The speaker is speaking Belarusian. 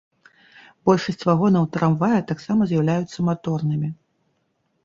Большасць вагонаў трамвая таксама з'яўляюцца маторнымі.